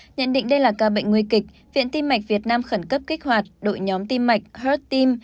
nhận định đây là ca bệnh nguy kịch viện tim mạch việt nam khẩn cấp kích hoạt đội nhóm tim mạch hort tim